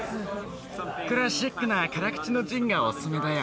クラシックな辛口のジンがおススメだよ。